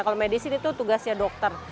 kalau medis itu tugasnya dokter